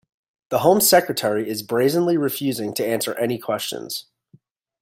The Home Secretary is brazenly refusing to answer any questions